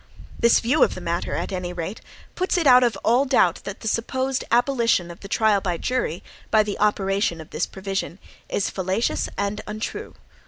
This view of the matter, at any rate, puts it out of all doubt that the supposed abolition of the trial by jury, by the operation of this provision, is fallacious and untrue.